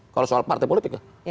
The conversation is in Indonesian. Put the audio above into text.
kalau soal partai politik